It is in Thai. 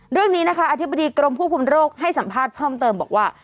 เรื่องนี้นะคะอธิบดีกรมควบคุมโรคให้สัมภาษณ์เพิ่มเติมบอกว่า